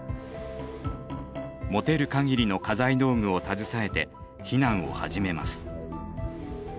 持てる限りの家財道具を携えて避難を始めます。